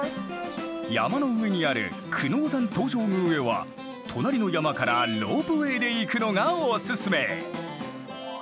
山の上にある久能山東照宮へは隣の山からロープウェイで行くのがおすすめ！